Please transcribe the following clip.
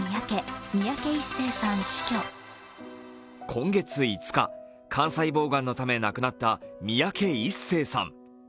今月５日、肝細胞がんのため亡くなった三宅一生さん。